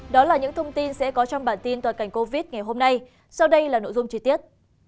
đó là những thông tin sẽ có trong bản tin toàn cảnh covid ngày hôm nay sau đây là nội dung chi tiết